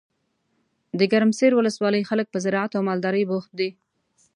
دګرمسیر ولسوالۍ خلګ په زراعت او مالدارۍ بوخت دي.